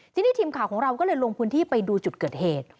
ทีนี้ทีมข่าวของเราก็เลยลงพื้นที่ไปดูจุดเกิดเหตุ